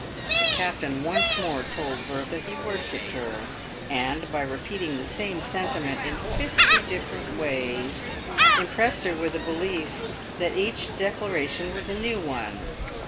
The captain once more told Bertha he worshipped her, and, by repeating the same sentiment in fifty different ways, im pressed her with a belief that each declaration was a new one.